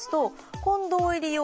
近藤入用